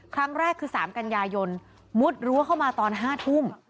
ครั้งแรกคือ๓กันยายนมุดรั้วเข้ามาตอน๕ทุ่ม